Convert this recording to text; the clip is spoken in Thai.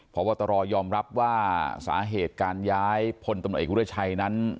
พระวัตรอยอมรับว่าสาเหตุการย้ายพลตรเอกวรัชชัยนั้น